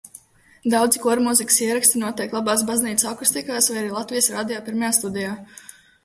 Daudzi kormūzikas ieraksti notiek labās baznīcu akustikās vai arī Latvijas Radio pirmajā studijā.